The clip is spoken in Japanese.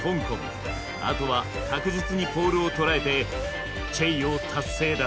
あとは確実にポールをとらえてチェイヨー達成だ。